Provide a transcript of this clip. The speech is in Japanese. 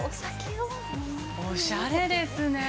◆おしゃれですね！